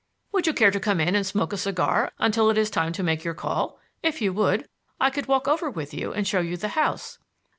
"Would you care to come in and smoke a cigar until it is time to make your call? If you would, I could walk over with you and show you the house."